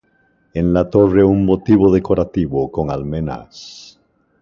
En la torre un motivo decorativo con almenas.